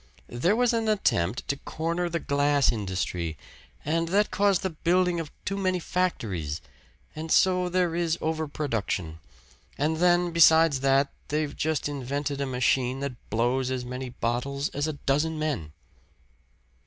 There was an attempt to corner the glass industry, and that caused the building of too many factories, and so there is overproduction. And then, besides that, they've just invented a machine that blows as many bottles as a dozen men."